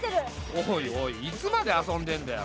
おいおいいつまで遊んでんだよ。